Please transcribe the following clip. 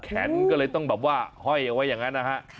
แขนก็เลยต้องแบบว่าห้อยเอาไว้อย่างนั้นนะฮะ